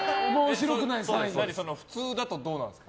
普通だとどうなんですか？